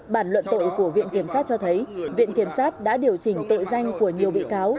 bản luận tội của viện kiểm sát cho thấy viện kiểm sát đã điều chỉnh tội danh của nhiều bị cáo